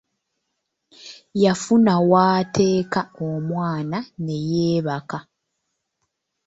Yafuna waateeka omwana ne yeebaka.